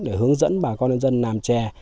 để hướng dẫn bà con dân làm chè